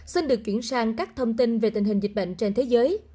xin được chuyển sang các thông tin về tình hình dịch bệnh trên thế giới